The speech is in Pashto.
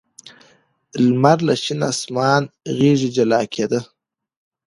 لمر له شین اسمان غېږې جلا کېده.